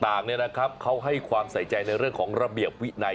ต่างเขาให้ความใส่ใจในเรื่องของระเบียบวินัย